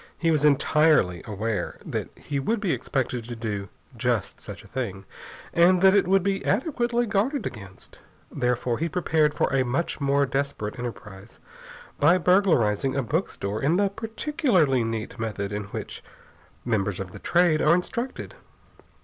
He was entirely aware that he would be expected to do just such a thing, and that it would be adequately guarded against. Therefore he prepared for a much more desperate enterprise by burglarizing a bookstore in the particularly neat method in which members of The Trade are instructed.